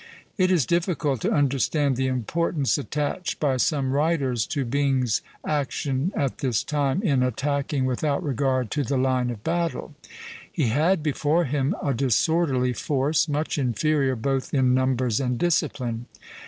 It is difficult to understand the importance attached by some writers to Byng's action at this time in attacking without regard to the line of battle. He had before him a disorderly force, much inferior both in numbers and discipline.